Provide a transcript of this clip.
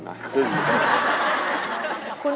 มาครึ่ง